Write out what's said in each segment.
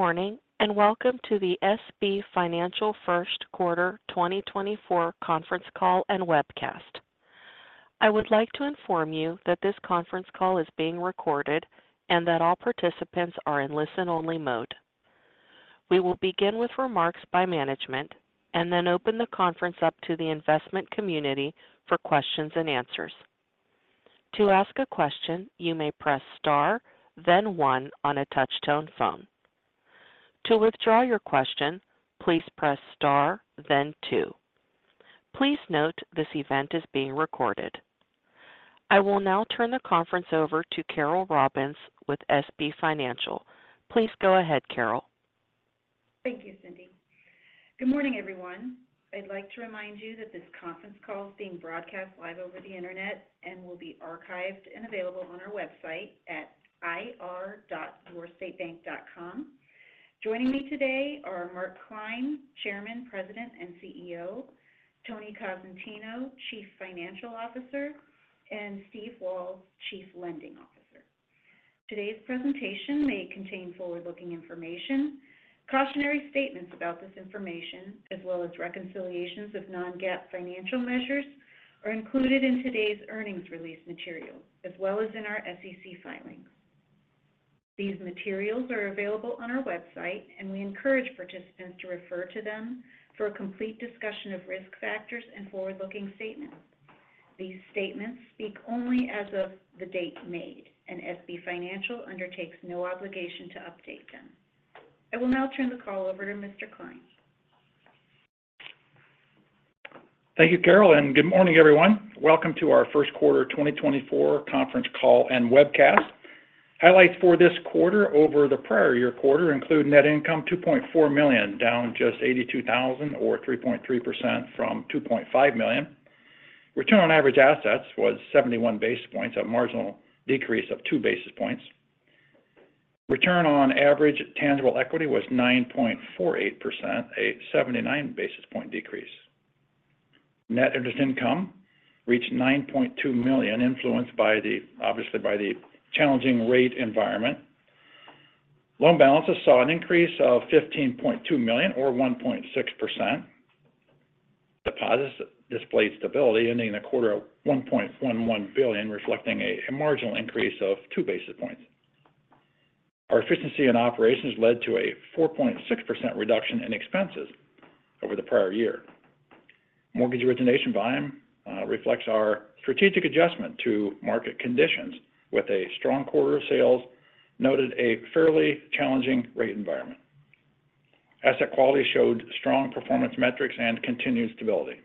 Good morning and welcome to the SB Financial First Quarter 2024 conference call and webcast. I would like to inform you that this conference call is being recorded and that all participants are in listen-only mode. We will begin with remarks by management and then open the conference up to the investment community for questions and answers. To ask a question, you may press star, then one on a touch-tone phone. To withdraw your question, please press star, then two. Please note this event is being recorded. I will now turn the conference over to Carol Robbins with SB Financial. Please go ahead, Carol. Thank you, Cindy. Good morning, everyone. I'd like to remind you that this conference call is being broadcast live over the internet and will be archived and available on our website at ir.yourstatebank.com. Joining me today are Mark Klein, Chairman, President, and CEO, Tony Cosentino, Chief Financial Officer, and Steve Walz, Chief Lending Officer. Today's presentation may contain forward-looking information. Cautionary statements about this information, as well as reconciliations of non-GAAP financial measures, are included in today's earnings release material, as well as in our SEC filings. These materials are available on our website, and we encourage participants to refer to them for a complete discussion of risk factors and forward-looking statements. These statements speak only as of the date made, and SB Financial undertakes no obligation to update them. I will now turn the call over to Mr. Klein. Thank you, Carol, and good morning, everyone. Welcome to our First Quarter 2024 conference call and webcast. Highlights for this quarter over the prior year quarter include net income $2.4 million, down just $82,000 or 3.3% from $2.5 million. Return on average assets was 71 basis points, a marginal decrease of two basis points. Return on average tangible equity was 9.48%, a 79 basis point decrease. Net interest income reached $9.2 million, influenced by the, obviously by the challenging rate environment. Loan balances saw an increase of $15.2 million or 1.6%. Deposits displayed stability, ending the quarter at $1.11 billion, reflecting a marginal increase of two basis points. Our efficiency in operations led to a 4.6% reduction in expenses over the prior year. Mortgage origination volume reflects our strategic adjustment to market conditions, with a strong quarter of sales noted a fairly challenging rate environment. Asset quality showed strong performance metrics and continued stability.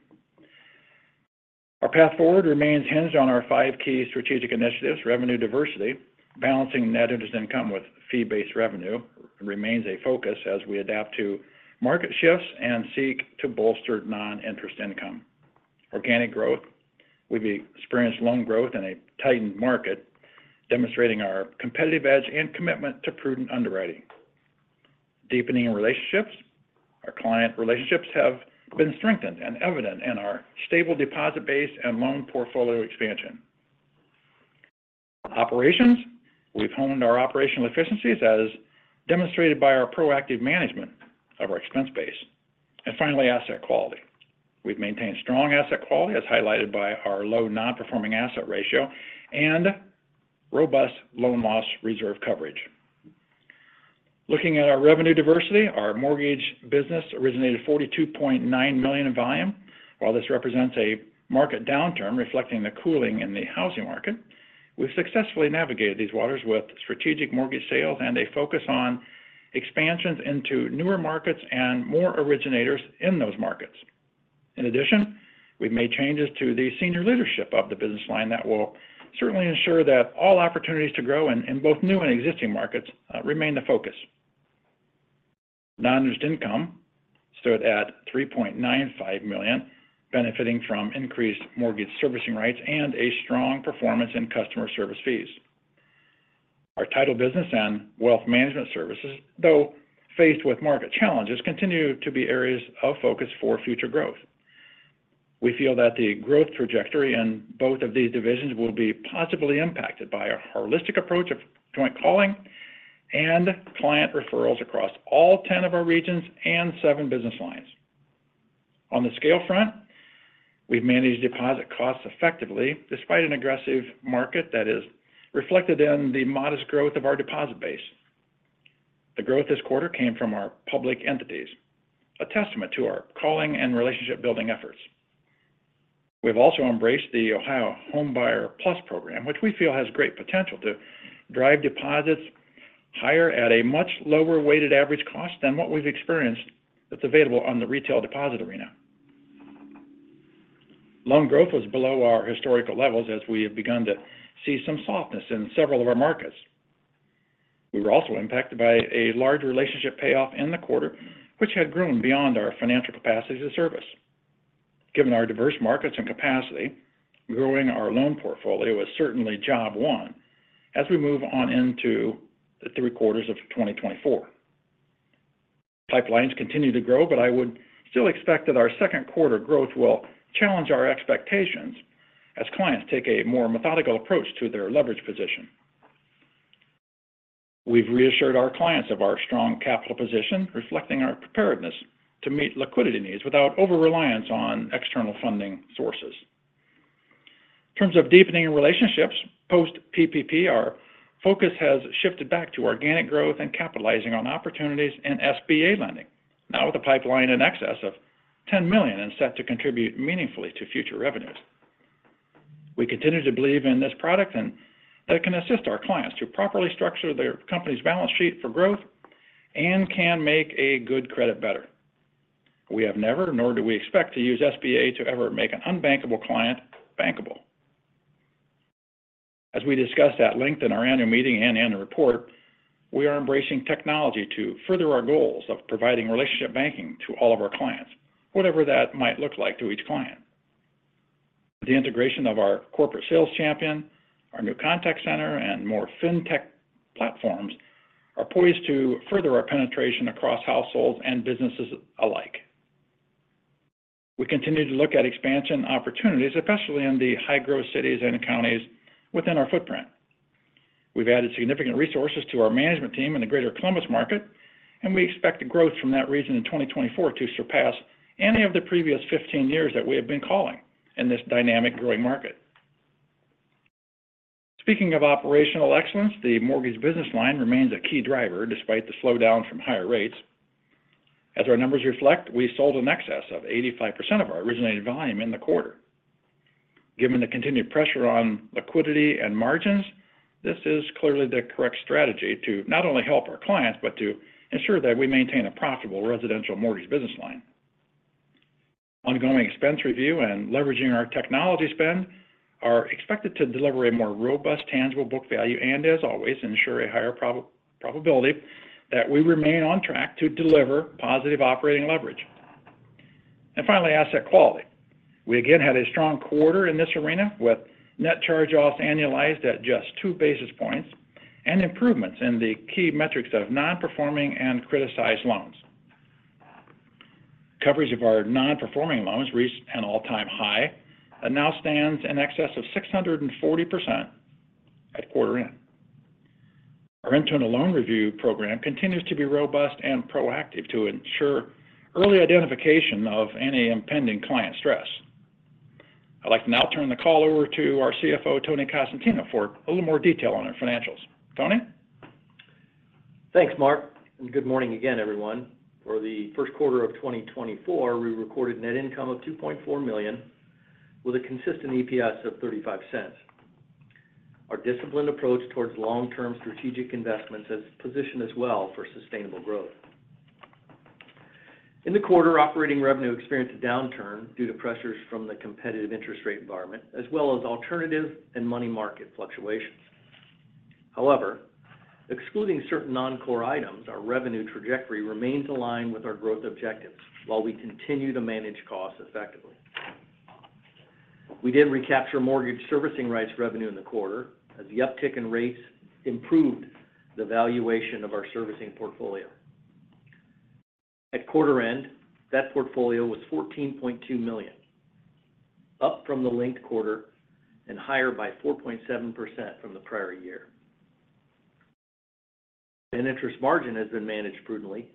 Our path forward remains hinged on our five key strategic initiatives: revenue diversity, balancing net interest income with fee-based revenue, remains a focus as we adapt to market shifts and seek to bolster non-interest income. Organic growth, we've experienced loan growth in a tightened market, demonstrating our competitive edge and commitment to prudent underwriting. Deepening relationships, our client relationships have been strengthened and evident in our stable deposit base and loan portfolio expansion. Operations, we've honed our operational efficiencies as demonstrated by our proactive management of our expense base. And finally, asset quality. We've maintained strong asset quality, as highlighted by our low non-performing asset ratio and robust loan loss reserve coverage. Looking at our revenue diversity, our mortgage business originated $42.9 million in volume. While this represents a market downturn, reflecting the cooling in the housing market, we've successfully navigated these waters with strategic mortgage sales and a focus on expansions into newer markets and more originators in those markets. In addition, we've made changes to the senior leadership of the business line that will certainly ensure that all opportunities to grow in both new and existing markets remain the focus. Non-interest income stood at $3.95 million, benefiting from increased mortgage servicing rights and a strong performance in customer service fees. Our title business and wealth management services, though faced with market challenges, continue to be areas of focus for future growth. We feel that the growth trajectory in both of these divisions will be possibly impacted by a holistic approach of joint calling and client referrals across all 10 of our regions and seven business lines. On the scale front, we've managed deposit costs effectively despite an aggressive market that is reflected in the modest growth of our deposit base. The growth this quarter came from our public entities, a testament to our calling and relationship-building efforts. We've also embraced the Ohio Homebuyer Plus program, which we feel has great potential to drive deposits higher at a much lower weighted average cost than what we've experienced that's available on the retail deposit arena. Loan growth was below our historical levels as we have begun to see some softness in several of our markets. We were also impacted by a large relationship payoff in the quarter, which had grown beyond our financial capacity to service. Given our diverse markets and capacity, growing our loan portfolio is certainly job one as we move on into the three quarters of 2024. Pipelines continue to grow, but I would still expect that our second quarter growth will challenge our expectations as clients take a more methodical approach to their leverage position. We've reassured our clients of our strong capital position, reflecting our preparedness to meet liquidity needs without overreliance on external funding sources. In terms of deepening relationships post-PPP, our focus has shifted back to organic growth and capitalizing on opportunities in SBA lending, now with a pipeline in excess of $10 million and set to contribute meaningfully to future revenues. We continue to believe in this product and that it can assist our clients to properly structure their company's balance sheet for growth and can make a good credit better. We have never, nor do we expect, to use SBA to ever make an unbankable client bankable. As we discussed at length in our annual meeting and in the report, we are embracing technology to further our goals of providing relationship banking to all of our clients, whatever that might look like to each client. The integration of our corporate sales champion, our new contact center, and more fintech platforms are poised to further our penetration across households and businesses alike. We continue to look at expansion opportunities, especially in the high-growth cities and counties within our footprint. We've added significant resources to our management team in the Greater Columbus market, and we expect growth from that region in 2024 to surpass any of the previous 15 years that we have been calling in this dynamic growing market. Speaking of operational excellence, the mortgage business line remains a key driver despite the slowdown from higher rates. As our numbers reflect, we sold in excess of 85% of our originated volume in the quarter. Given the continued pressure on liquidity and margins, this is clearly the correct strategy to not only help our clients but to ensure that we maintain a profitable residential mortgage business line. Ongoing expense review and leveraging our technology spend are expected to deliver a more robust tangible book value and, as always, ensure a higher probability that we remain on track to deliver positive operating leverage. And finally, asset quality. We again had a strong quarter in this arena with net charge-offs annualized at just 2 basis points and improvements in the key metrics of non-performing and criticized loans. Coverage of our non-performing loans reached an all-time high and now stands in excess of 640% at quarter-end. Our internal loan review program continues to be robust and proactive to ensure early identification of any impending client stress. I'd like to now turn the call over to our CFO, Tony Cosentino, for a little more detail on our financials. Tony? Thanks, Mark, and good morning again, everyone. For the first quarter of 2024, we recorded net income of $2.4 million with a consistent EPS of $0.35. Our disciplined approach towards long-term strategic investments has positioned us well for sustainable growth. In the quarter, operating revenue experienced a downturn due to pressures from the competitive interest rate environment, as well as alternative and money market fluctuations. However, excluding certain non-core items, our revenue trajectory remains aligned with our growth objectives while we continue to manage costs effectively. We did recapture mortgage servicing rights revenue in the quarter as the uptick in rates improved the valuation of our servicing portfolio. At quarter-end, that portfolio was $14.2 million, up from the linked quarter and higher by 4.7% from the prior year. Net interest margin has been managed prudently,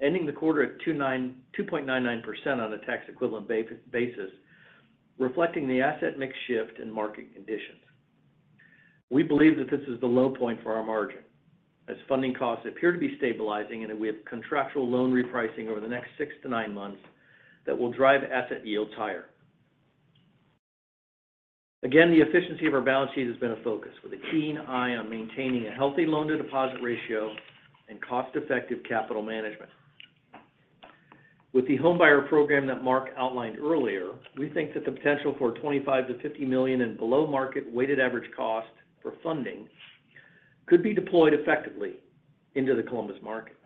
ending the quarter at 2.99% on a tax equivalent basis, reflecting the asset mix shift in market conditions. We believe that this is the low point for our margin as funding costs appear to be stabilizing and that we have contractual loan repricing over the next six to nine months that will drive asset yields higher. Again, the efficiency of our balance sheet has been a focus with a keen eye on maintaining a healthy loan-to-deposit ratio and cost-effective capital management. With the homebuyer program that Mark outlined earlier, we think that the potential for $25 million-$50 million in below-market weighted average cost for funding could be deployed effectively into the Columbus market.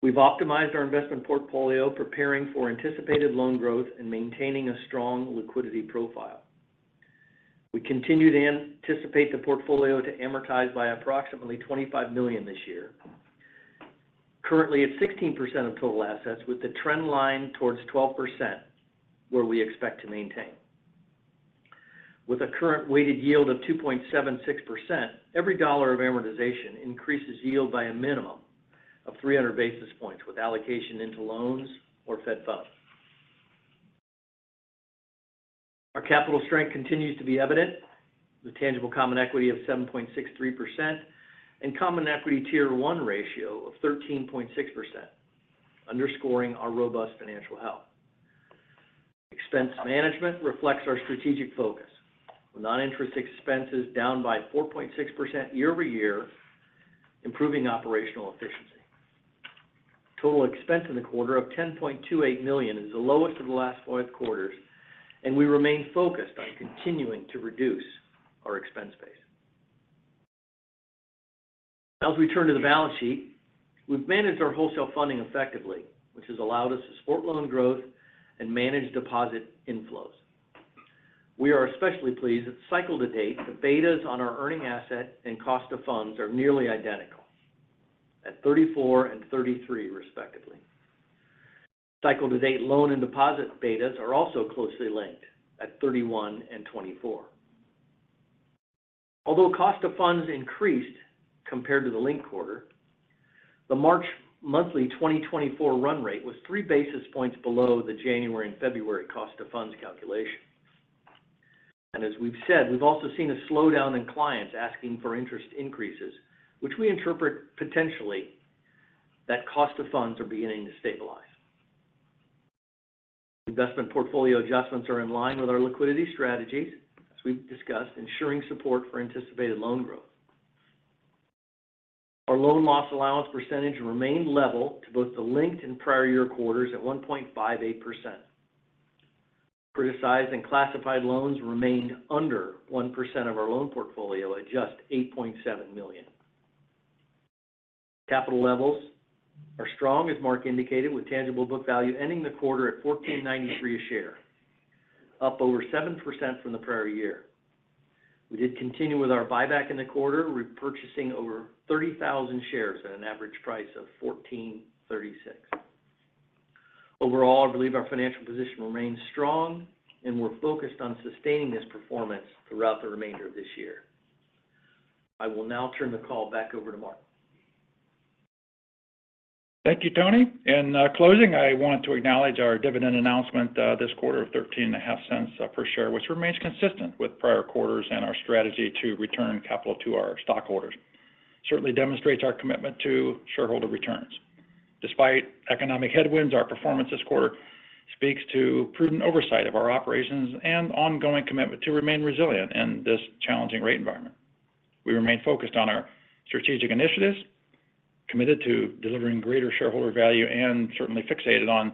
We've optimized our investment portfolio, preparing for anticipated loan growth and maintaining a strong liquidity profile. We continue to anticipate the portfolio to amortize by approximately $25 million this year, currently at 16% of total assets, with the trend line towards 12% where we expect to maintain. With a current weighted yield of 2.76%, every dollar of amortization increases yield by a minimum of 300 basis points with allocation into loans or Fed funds. Our capital strength continues to be evident with a tangible common equity of 7.63% and Common Equity Tier 1 ratio of 13.6%, underscoring our robust financial health. Expense management reflects our strategic focus with non-interest expenses down by 4.6% year-over-year, improving operational efficiency. Total expense in the quarter of $10.28 million is the lowest of the last four quarters, and we remain focused on continuing to reduce our expense base. Now as we turn to the balance sheet, we've managed our wholesale funding effectively, which has allowed us to support loan growth and manage deposit inflows. We are especially pleased that cycle-to-date, the betas on our earning asset and cost of funds are nearly identical at 34 and 33, respectively. Cycle-to-date loan and deposit betas are also closely linked at 31 and 24. Although cost of funds increased compared to the linked quarter, the March monthly 2024 run rate was 3 basis points below the January and February cost of funds calculation. As we've said, we've also seen a slowdown in clients asking for interest increases, which we interpret potentially that cost of funds are beginning to stabilize. Investment portfolio adjustments are in line with our liquidity strategies, as we've discussed, ensuring support for anticipated loan growth. Our loan loss allowance percentage remained level to both the linked and prior year quarters at 1.58%. Criticized and classified loans remained under 1% of our loan portfolio at just $8.7 million. Capital levels are strong, as Mark indicated, with tangible book value ending the quarter at $14.93 a share, up over 7% from the prior year. We did continue with our buyback in the quarter, repurchasing over 30,000 shares at an average price of $14.36. Overall, I believe our financial position remains strong, and we're focused on sustaining this performance throughout the remainder of this year. I will now turn the call back over to Mark. Thank you, Tony. In closing, I wanted to acknowledge our dividend announcement this quarter of $0.135 per share, which remains consistent with prior quarters and our strategy to return capital to our stockholders. Certainly demonstrates our commitment to shareholder returns. Despite economic headwinds, our performance this quarter speaks to prudent oversight of our operations and ongoing commitment to remain resilient in this challenging rate environment. We remain focused on our strategic initiatives, committed to delivering greater shareholder value, and certainly fixated on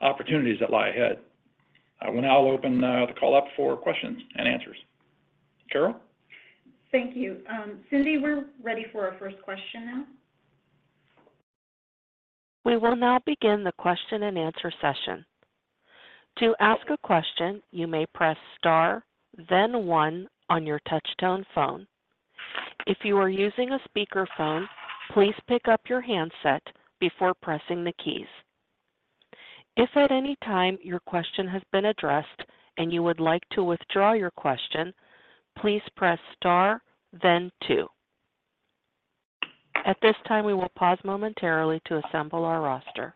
opportunities that lie ahead. I will now open the call up for questions and answers. Carol? Thank you. Cindy, we're ready for our first question now. We will now begin the question and answer session. To ask a question, you may press star, then one on your touch-tone phone. If you are using a speakerphone, please pick up your handset before pressing the keys. If at any time your question has been addressed and you would like to withdraw your question, please press star, then two. At this time, we will pause momentarily to assemble our roster.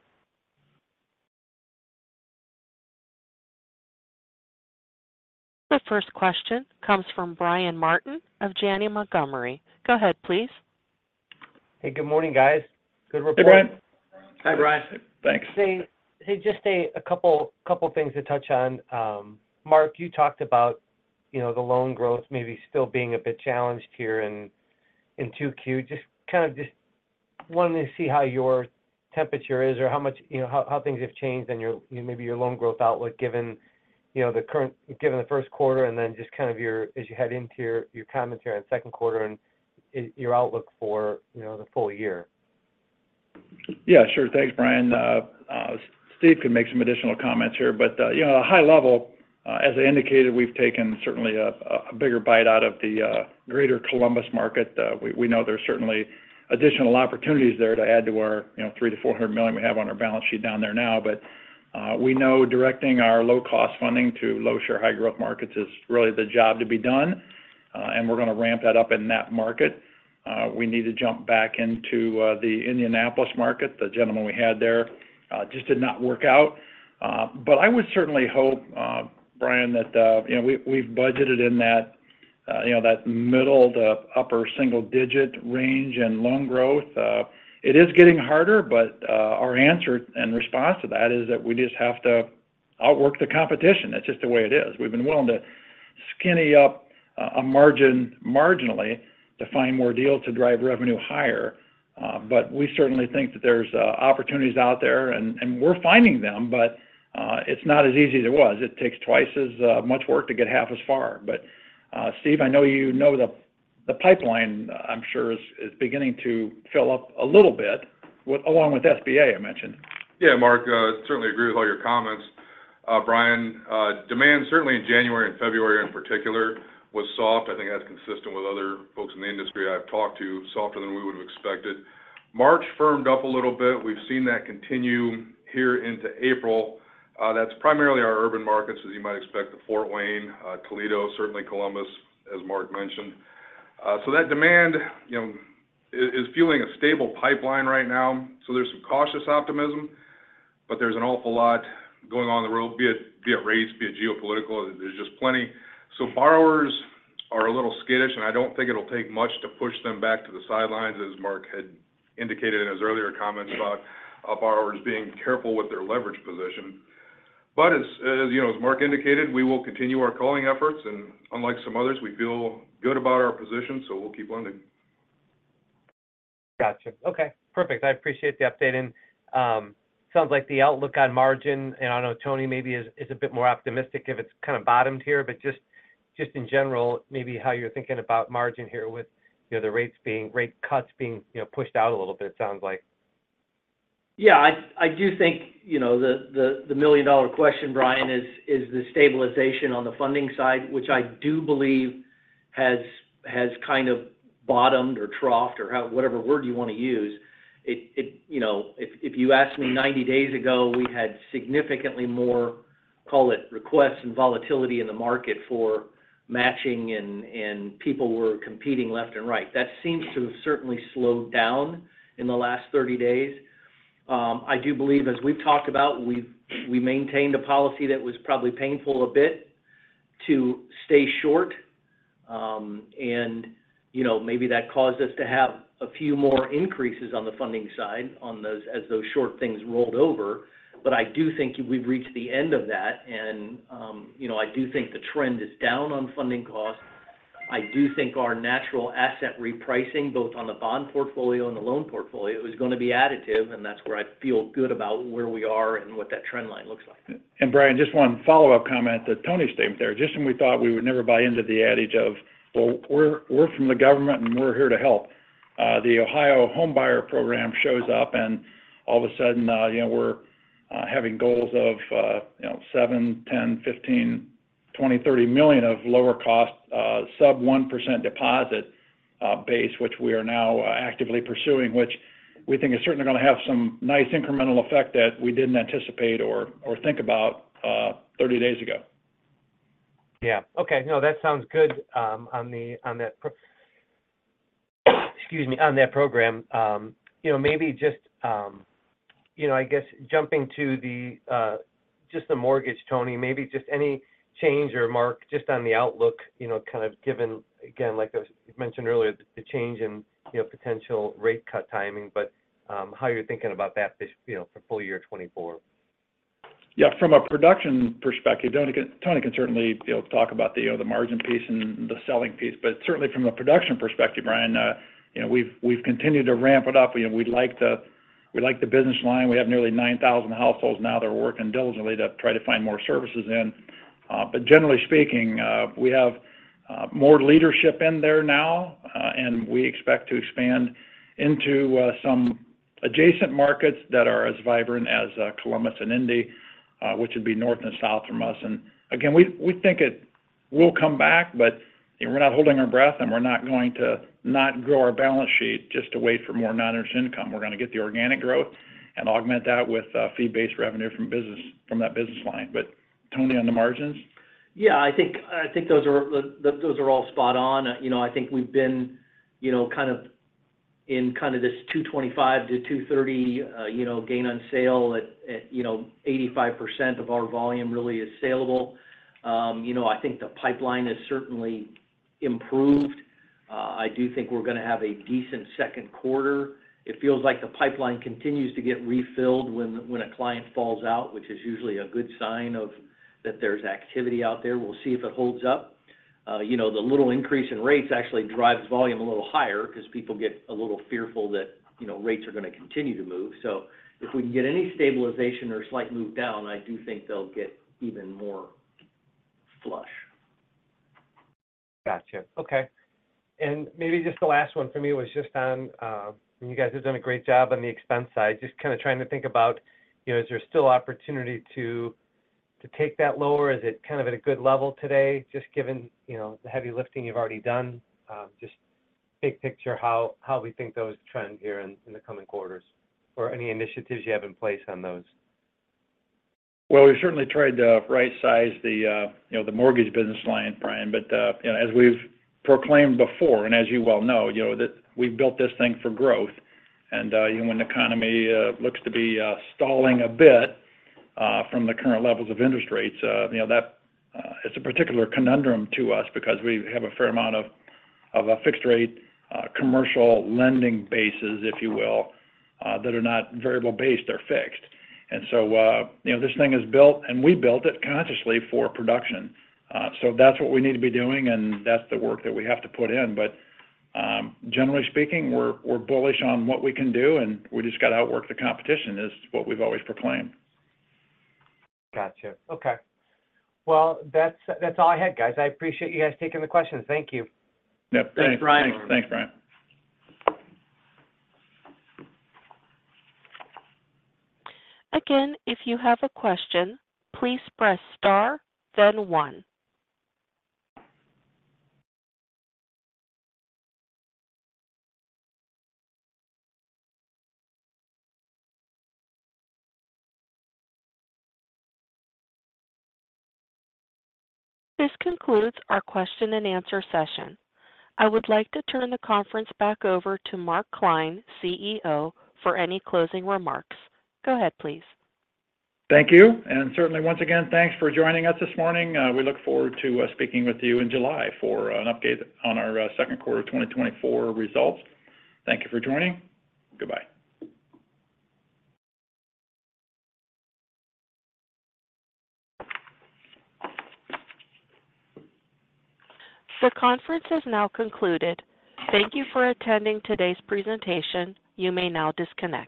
The first question comes from Brian Martin of Janney Montgomery. Go ahead, please. Hey, good morning, guys. Good report. Hey, Brian. Hi, Brian. Thanks. Hey, just a couple of things to touch on. Mark, you talked about the loan growth maybe still being a bit challenged here in 2Q. Just kind of wanted to see how your temperature is or how much how things have changed in maybe your loan growth outlook given the first quarter and then just kind of as you head into your commentary on second quarter and your outlook for the full year. Yeah, sure. Thanks, Brian. Steve could make some additional comments here, but at a high level, as I indicated, we've taken certainly a bigger bite out of the Greater Columbus market. We know there's certainly additional opportunities there to add to our $300 million-$400 million we have on our balance sheet down there now. But we know directing our low-cost funding to low-share, high-growth markets is really the job to be done, and we're going to ramp that up in that market. We need to jump back into the Indianapolis market. The gentleman we had there just did not work out. But I would certainly hope, Brian, that we've budgeted in that middle to upper single-digit range in loan growth. It is getting harder, but our answer and response to that is that we just have to outwork the competition. That's just the way it is. We've been willing to skinny up a margin marginally to find more deals to drive revenue higher. But we certainly think that there's opportunities out there, and we're finding them, but it's not as easy as it was. It takes twice as much work to get half as far. But Steve, I know you know the pipeline, I'm sure, is beginning to fill up a little bit along with SBA, I mentioned. Yeah, Mark, certainly agree with all your comments. Brian, demand certainly in January and February in particular was soft. I think that's consistent with other folks in the industry I've talked to, softer than we would have expected. March firmed up a little bit. We've seen that continue here into April. That's primarily our urban markets, as you might expect, the Fort Wayne, Toledo, certainly Columbus, as Mark mentioned. So that demand is fueling a stable pipeline right now. So there's some cautious optimism, but there's an awful lot going on the road, be it rates, be it geopolitical. There's just plenty. So borrowers are a little skittish, and I don't think it'll take much to push them back to the sidelines, as Mark had indicated in his earlier comments about borrowers being careful with their leverage position. But as Mark indicated, we will continue our calling efforts, and unlike some others, we feel good about our position, so we'll keep lending. Gotcha. Okay, perfect. I appreciate the update. And sounds like the outlook on margin, and I don't know, Tony, maybe is a bit more optimistic if it's kind of bottomed here. But just in general, maybe how you're thinking about margin here with the rates being rate cuts being pushed out a little bit, it sounds like. Yeah, I do think the million-dollar question, Brian, is the stabilization on the funding side, which I do believe has kind of bottomed or troughed or whatever word you want to use. If you asked me 90 days ago, we had significantly more, call it, requests and volatility in the market for matching, and people were competing left and right. That seems to have certainly slowed down in the last 30 days. I do believe, as we've talked about, we've maintained a policy that was probably painful a bit to stay short, and maybe that caused us to have a few more increases on the funding side as those short things rolled over. But I do think we've reached the end of that, and I do think the trend is down on funding cost. I do think our natural asset repricing, both on the bond portfolio and the loan portfolio, is going to be additive, and that's where I feel good about where we are and what that trend line looks like. Brian, just one follow-up comment to Tony's statement there. Just when we thought we would never buy into the adage of, "Well, we're from the government, and we're here to help," the Ohio Homebuyer Program shows up, and all of a sudden, we're having goals of $7 million, $10 million, $15 million, $20 million, $30 million of lower-cost sub-1% deposit base, which we are now actively pursuing, which we think is certainly going to have some nice incremental effect that we didn't anticipate or think about 30 days ago. Yeah. Okay. No, that sounds good on that. Excuse me, on that program. Maybe just, I guess, jumping to just the mortgage, Tony. Maybe just any change or, Mark, just on the outlook, kind of given, again, like you mentioned earlier, the change in potential rate cut timing, but how you're thinking about that for full year 2024. Yeah, from a production perspective, Tony can certainly talk about the margin piece and the selling piece. But certainly from a production perspective, Brian, we've continued to ramp it up. We like the business line. We have nearly 9,000 households now that are working diligently to try to find more services in. But generally speaking, we have more leadership in there now, and we expect to expand into some adjacent markets that are as vibrant as Columbus and Indy, which would be north and south from us. And again, we think it will come back, but we're not holding our breath, and we're not going to not grow our balance sheet just to wait for more non-interest income. We're going to get the organic growth and augment that with fee-based revenue from that business line. But Tony, on the margins? Yeah, I think those are all spot on. I think we've been kind of in kind of this 225-230 gain on sale. 85% of our volume really is saleable. I think the pipeline has certainly improved. I do think we're going to have a decent second quarter. It feels like the pipeline continues to get refilled when a client falls out, which is usually a good sign of that there's activity out there. We'll see if it holds up. The little increase in rates actually drives volume a little higher because people get a little fearful that rates are going to continue to move. So if we can get any stabilization or slight move down, I do think they'll get even more flush. Gotcha. Okay. And maybe just the last one for me was just on you guys have done a great job on the expense side, just kind of trying to think about, is there still opportunity to take that lower? Is it kind of at a good level today, just given the heavy lifting you've already done? Just big picture, how we think those trend here in the coming quarters or any initiatives you have in place on those? Well, we've certainly tried to right-size the mortgage business line, Brian. But as we've proclaimed before, and as you well know, we've built this thing for growth. And when the economy looks to be stalling a bit from the current levels of interest rates, that is a particular conundrum to us because we have a fair amount of fixed-rate commercial lending bases, if you will, that are not variable-based. They're fixed. And so this thing is built, and we built it consciously for production. So that's what we need to be doing, and that's the work that we have to put in. But generally speaking, we're bullish on what we can do, and we just got to outwork the competition, is what we've always proclaimed. Gotcha. Okay. Well, that's all I had, guys. I appreciate you guys taking the questions. Thank you. Yep. Thanks. Thanks, Brian. Thanks, Brian. Again, if you have a question, please press star, then one. This concludes our question and answer session. I would like to turn the conference back over to Mark Klein, CEO, for any closing remarks. Go ahead, please. Thank you. Certainly, once again, thanks for joining us this morning. We look forward to speaking with you in July for an update on our second quarter of 2024 results. Thank you for joining. Goodbye. The conference has now concluded. Thank you for attending today's presentation. You may now disconnect.